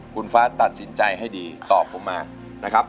คุณฟ้าตัดสินใจให้ดีตอบผมมานะครับ